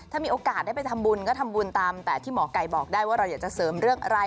ถ้ามีโอกาสได้ไปทำบุญก็ทำบุญตามแต่ที่หมอไก่บอกได้ว่าเราอยากจะเสริมเรื่องอะไร